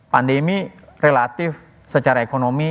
pandemi relatif secara ekonomi